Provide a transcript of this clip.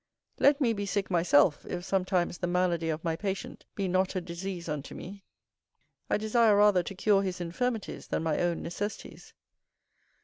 Let me be sick myself, if sometimes the malady of my patient be not a disease unto me. I desire rather to cure his infirmities than my own necessities.